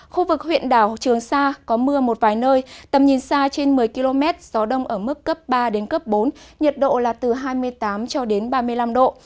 khu vực huyện đảo trường sa có mưa một vài nơi tầm nhìn xa trên một mươi km gió đông ở mức cấp ba bốn nhiệt độ là từ hai mươi tám ba mươi năm độ